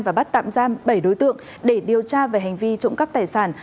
và bắt tạm giam bảy đối tượng để điều tra về hành vi trụng cấp tài sản